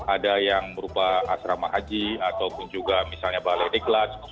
ada yang berupa asrama haji ataupun juga misalnya balai diklat